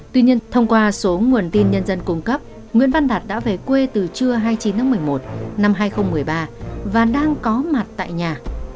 tuy nhiên thông qua số nguồn tin nhân dân cung cấp nguyễn văn đạt đã về quê từ trưa hai mươi chín tháng một mươi một năm hai nghìn một mươi ba và đang có mặt tại nhà